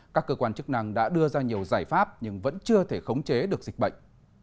các cơ quan chức năng đã đưa ra nhiều giải pháp nhưng vẫn chưa thể khống chế được dịch bệnh